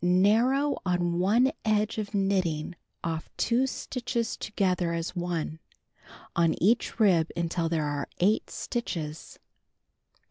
Narrow on one edge by knitting off 2 stitrhos together as one, on each rib until there are 8 stitches.